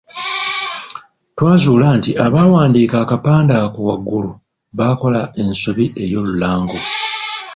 Twazuula nti abaawandiika akapande ako waggulu baakola ensobi ey’olulango.